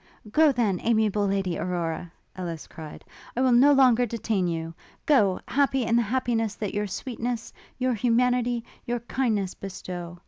'Go, then, amiable Lady Aurora!' Ellis cried; 'I will no longer detain you! Go! happy in the happiness that your sweetness, your humanity, your kindness bestow!